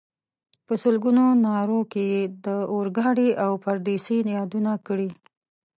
په سلګونو نارو کې یې د اورګاډي او پردیسۍ یادونه کړې.